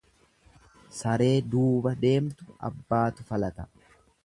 Saree duuba deemtu abbaatu falata.